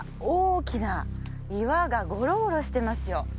大きな岩がゴロゴロしてますよ